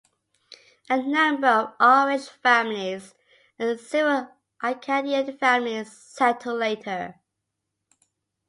A number of Irish families and several Acadian families settled later.